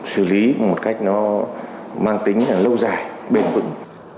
xử lý một cách nó mang tính là lâu dài bền vững